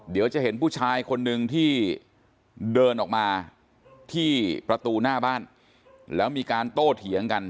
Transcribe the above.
เดี๋ยวจะเห็นผู้ชายคนนึงที่เดินออกมาที่ประตูหน้าบ้านแล้วมีการโต้เถียงกัน